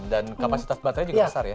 dan kapasitas baterai juga besar ya